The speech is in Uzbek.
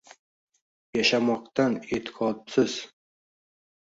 Yashamoqdan e’tiqodsiz